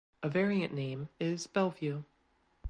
A variant name is "Bell View".